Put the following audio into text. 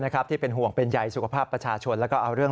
ที่เป็นห่วงเป็นใยสุขภาพประชาชนแล้วก็เอาเรื่อง